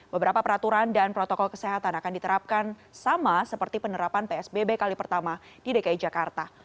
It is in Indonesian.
beberapa peraturan dan protokol kesehatan akan diterapkan sama seperti penerapan psbb kali pertama di dki jakarta